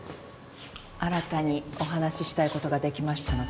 新たにお話ししたい事ができましたので。